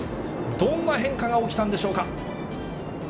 どんな変化が起きたんでしょうか。